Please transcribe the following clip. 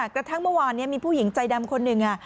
กระทั่งเมื่อวานนี้มีผู้หญิงใจดำคนหนึ่ง